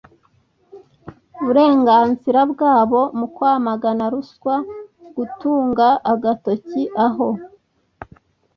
uburenganzira bwabo, mu kwamagana ruswa, gutunga agatoki aho